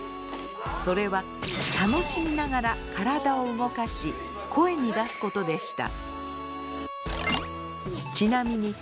それは楽しみながら体を動かし声に出すことでした。